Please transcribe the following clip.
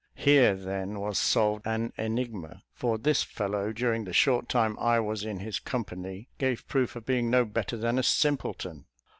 Here then was solved an enigma; for this fellow, during the short time I was in his company, gave proof of being no better than a simpleton.